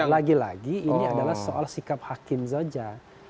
lagi lagi ini adalah soal sikap hakim saja